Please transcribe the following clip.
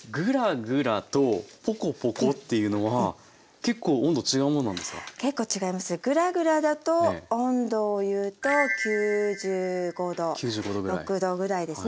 グラグラだと温度を言うと９５℃９６℃ぐらいですね。